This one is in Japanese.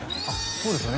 そうですよね